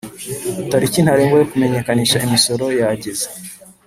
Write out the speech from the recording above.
tariki ntarengwa yo kumenyekanisha imisoro yageze